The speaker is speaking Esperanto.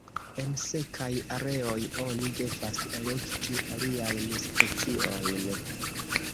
En sekaj areoj oni devas elekti aliajn speciojn.